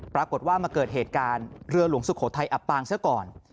ปรากฏว่ามาเกิดเหตุการณ์เรือหลวงสุโขทัยอับปางซะก่อน